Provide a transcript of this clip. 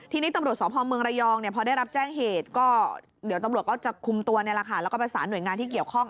ทีนี้ตำรวจสพเมืองระยองพอได้รับแจ้งเหตุก็เดี๋ยวตำรวจก็จะคุมตัวแล้วก็ประสานหน่วยงานที่เกี่ยวข้อง